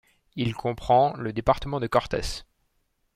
Il comprend le département de Cortés.